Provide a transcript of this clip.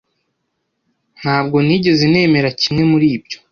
Ntabwo nigeze nemera kimwe muri ibyo.